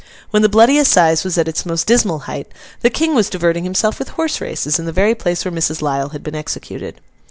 When The Bloody Assize was at its most dismal height, the King was diverting himself with horse races in the very place where Mrs. Lisle had been executed.